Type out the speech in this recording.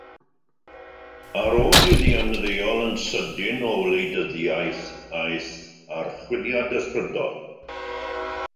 Ar ôl iddi ymddeol yn sydyn o wleidyddiaeth aeth ar "chwiliad ysbrydol".